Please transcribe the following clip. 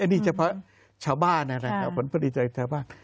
นี่เฉพาะชาวบ้านผลผลิตชาวบ้าน